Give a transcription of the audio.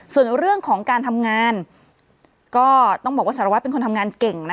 ส่วนเรื่องของการทำงานก็ต้องบอกว่าสารวัตรเป็นคนทำงานเก่งนะ